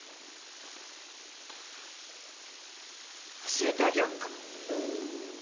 教えてあげよっか。